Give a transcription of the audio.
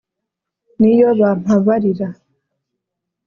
n’iyo bampabarira